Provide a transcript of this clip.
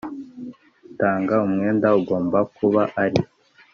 utanga umwenda agomba kuba ari